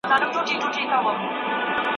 ټولنیز فکر د ټولنې له تاریخ نه بېلېږي.